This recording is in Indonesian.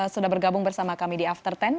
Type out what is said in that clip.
sudah bergabung bersama kami di after sepuluh